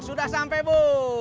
sudah sampai bu